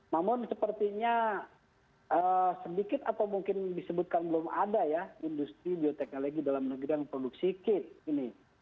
namun sepertinya sedikit atau mungkin disebutkan belum ada ya industri bioteknologi dalam negeri yang produksi kit ini